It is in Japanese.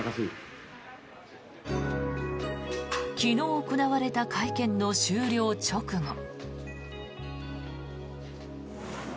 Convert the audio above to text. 昨日行われた会見の終了直後。